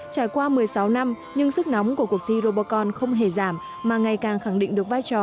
trải qua một mươi sáu năm nhưng sức nóng của cuộc thi robocon không hề giảm mà ngày càng khẳng định được vai trò